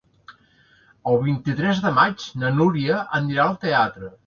El vint-i-tres de maig na Núria anirà al teatre.